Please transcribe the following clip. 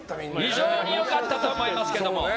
非常に良かったと思いますけど。